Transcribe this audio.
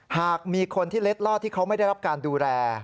หากมีคนที่เล็ดลอดที่เขาไม่ได้รับการดูแล